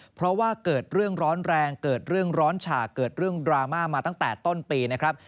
เพราะว่าเกิดเรื่องร้อนแรงเกิดเรื่องร้อนฉากเกิดเรื่องดราม่ามาตั้งแต่ต้นปีนะครับ